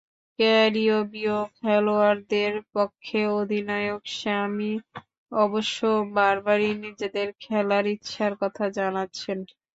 ক্যারিবীয় খেলোয়াড়দের পক্ষে অধিনায়ক স্যামি অবশ্য বারবারই নিজেদের খেলার ইচ্ছার কথা জানাচ্ছেন।